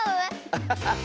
アハハハ！